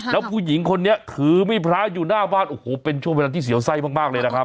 แล้วผู้หญิงคนนี้ถือมีพระอยู่หน้าบ้านโอ้โหเป็นช่วงเวลาที่เสียวไส้มากเลยนะครับ